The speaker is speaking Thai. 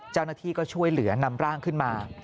เจ้าหน้าที่ก็ช่วยเหลือนำร่างขึ้นมา